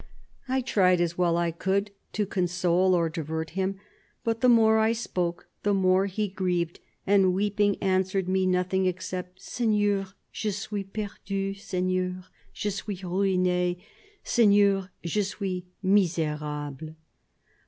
" I tried as well as I could to console or divert him, but the more I spoke the more he grieved, and weeping answered me nothing, except " Seignor, je suis perdu ; seignor, je suis ruin6 ; seignor, je suis miserable."